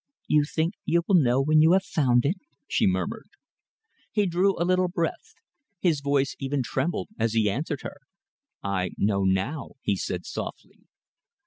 "You think you will know when you have found it?" she murmured. He drew a little breath. His voice even trembled as he answered her. "I know now," he said softly.